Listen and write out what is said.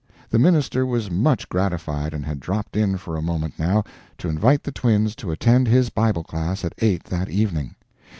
The minister was much gratified, and had dropped in for a moment now, to invite the twins to attend his Bible class at eight that evening.